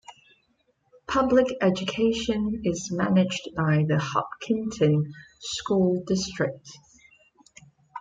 Public education is managed by the Hopkinton School District.